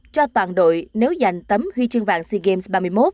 cho toàn đội nếu giành tấm huy chương vàng sea games ba mươi một